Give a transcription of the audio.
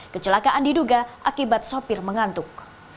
kecelakaan diduga akibat sopir mengantuk